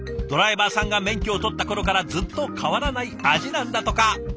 ドライバーさんが免許を取った頃からずっと変わらない味なんだとか。